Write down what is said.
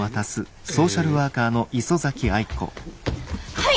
はい！